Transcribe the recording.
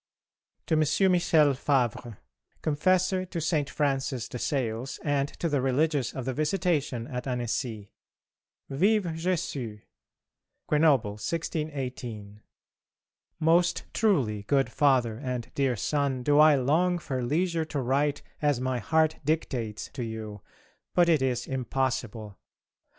XXVIII. To M. Michel Favre, Confessor to St. Francis de Sales, and to the Religious of the Visitation at Annecy. Vive [+] Jésus! GRENOBLE, 1618. Most truly, good Father and dear son, do I long for leisure to write as my heart dictates to you, but it is impossible.